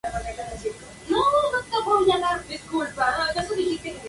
Su primer director fue Alejandro Daroca del Val.